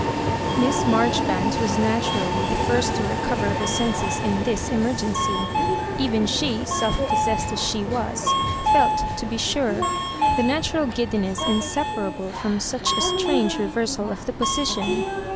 Miss Marjoribanks was naturally the first to recover her senses in fhis emergency. Even she, self possessed as she was, felt, to be sure, the na tural giddiness inseparable from such a strange reversal of the position.